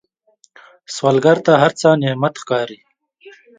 سوالګر ته هر څه نعمت ښکاري